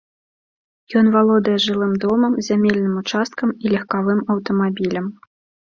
Ён валодае жылым домам, зямельным участкам і легкавым аўтамабілем.